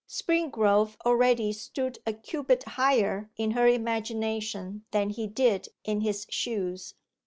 Springrove already stood a cubit higher in her imagination than he did in his shoes.